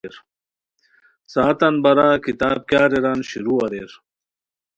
ساعتان بارا کتاب کیہ ریران؟ شروع اریر